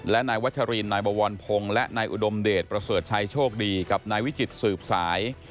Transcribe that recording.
และนายวัชรินนายบวรพงศ์และนายอุดมเดชประเสริฐชัยโชคดีกับนายวิจิตสืบสาย